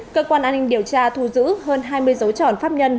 cơ quan an ninh điều tra thu giữ hơn hai mươi dấu tròn pháp nhân